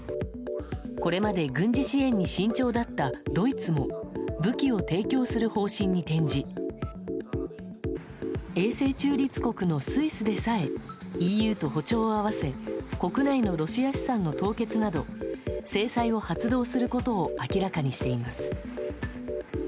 これまで軍事支援に慎重だったドイツも武器を提供する方針に転じ永世中立国のスイスでさえＥＵと歩調を合わせ国内のロシア資産の凍結など制裁を発動することを明らかにしています。